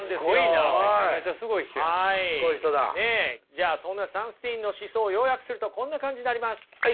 じゃあそんなサンスティーンの思想を要約するとこんな感じになります。